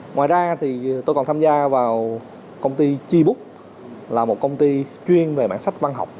ngoài ra thì tôi còn tham gia vào công ty chibook là một công ty chuyên về mảng sách văn học